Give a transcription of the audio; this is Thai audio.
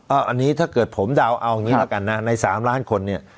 อันนี้ถ้าเกิดผมเดาเอาอย่างนี้ละกันนะใน๓ล้านคนเนี่ย